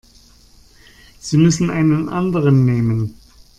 Sie müssen einen anderen nehmen.